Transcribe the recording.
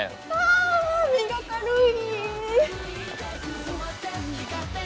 あ身が軽い！